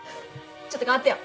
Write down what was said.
ちょっと代わってよ。